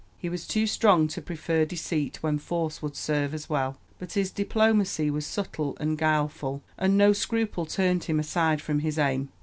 He was too strong to prefer deceit when force would serve as well, but his diplomacy was subtle and guileful, and no scruple turned him aside from his aim.